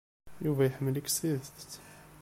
Yuba iḥemmel-ik s tidet.